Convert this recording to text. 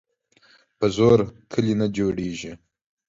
په زور کلي نه جوړیږي.